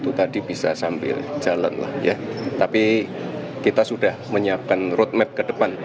tapi kita sudah menyiapkan roadmap ke depan